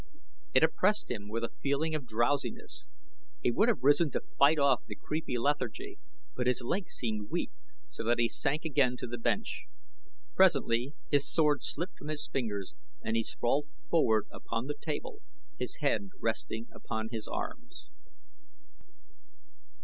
It oppressed him with a feeling of drowsiness. He would have risen to fight off the creeping lethargy, but his legs seemed weak, so that he sank again to the bench. Presently his sword slipped from his fingers and he sprawled forward upon the table his head resting upon his arms.